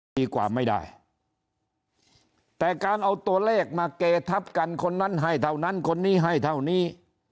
ดีกว่าไม่ได้แต่การเอาตัวเลขมาเกทับกันคนนั้นให้เท่านั้นคนนี้ให้เท่านี้